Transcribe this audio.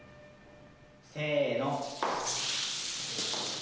せの。